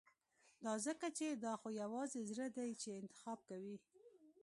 دا ځکه چې دا خو يوازې زړه دی چې انتخاب کوي.